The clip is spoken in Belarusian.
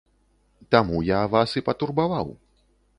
Таму я вас і патурбаваў.